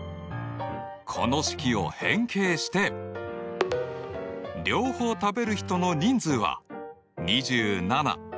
この式を変形して両方食べる人の人数は２７＋２５−３９だ。